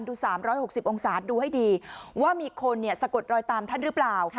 ดู๓๖๐องศาดูให้ดีว่ามีคนสะกดรอยตามท่านหรือเปล่า